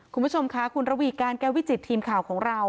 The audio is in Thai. คุณผู้ชมค่ะคุณระวีการแก้ววิจิตทีมข่าวของเรา